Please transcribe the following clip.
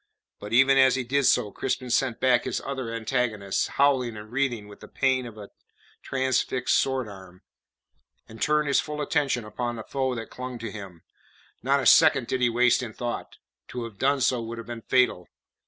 But even as he did so, Crispin sent back his other antagonist, howling and writhing with the pain of a transfixed sword arm, and turned his full attention upon the foe that clung to him. Not a second did he waste in thought. To have done so would have been fatal.